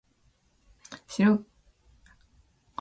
白君は軍人の家におり三毛君は代言の主人を持っている